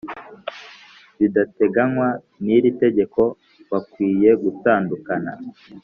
bidateganywa n iri tegeko ko bakwiye gutandukana